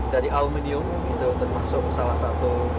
dari aluminium itu termasuk salah satu